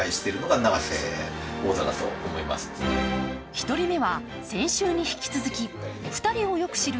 １人目は先週に引き続き２人をよく知る